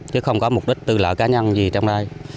chứ không có mục đích tư lợi cá nhân gì trong đây